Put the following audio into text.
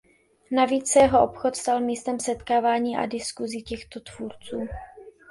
Navíc se jeho obchod stal místem setkávání a diskusí těchto tvůrců.